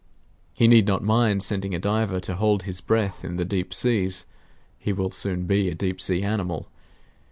He need not mind sending a diver to hold his breath in the deep seas; he will soon be a deep sea animal.